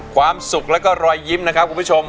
ความสุขแล้วก็รอยยิ้มนะครับคุณผู้ชม